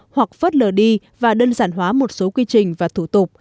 hoặc phớt lờ đi và đơn giản hóa một số quy trình và thủ tục